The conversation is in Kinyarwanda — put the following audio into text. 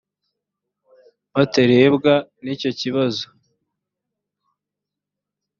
batarebwa n icyo kibazo